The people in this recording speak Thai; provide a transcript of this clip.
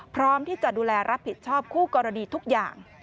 พร้อมที่จะดูแลรับผิดชอบคู่กรณีทุกอย่าง